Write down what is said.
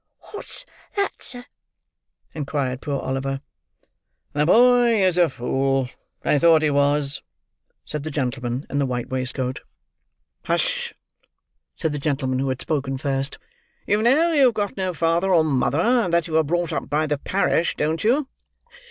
"What's that, sir?" inquired poor Oliver. "The boy is a fool—I thought he was," said the gentleman in the white waistcoat. "Hush!" said the gentleman who had spoken first. "You know you've got no father or mother, and that you were brought up by the parish, don't you?"